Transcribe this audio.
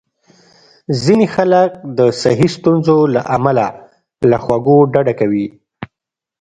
ځینې خلک د صحي ستونزو له امله له خوږو ډډه کوي.